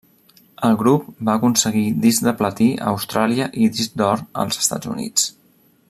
El grup va aconseguir disc de platí a Austràlia i disc d'or als Estats Units.